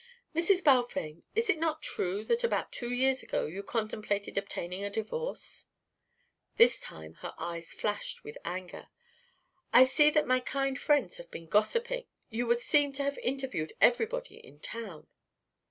"Mrs. Balfame, is it not true that about two years ago you contemplated obtaining a divorce?" This time her eyes flashed with anger. "I see that my kind friends have been gossiping. You would seem to have interviewed everybody in town."